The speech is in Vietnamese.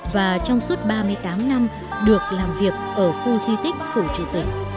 và trong suốt ba mươi tám năm được làm việc ở khu di tích phủ chủ tịch